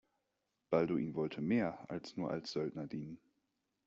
Balduin wollte mehr, als nur als Söldner dienen.